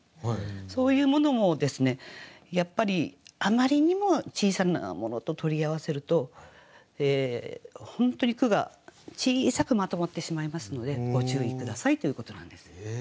そういうものもやっぱりあまりにも小さなものと取り合わせると本当に句が小さくまとまってしまいますのでご注意下さいということなんです。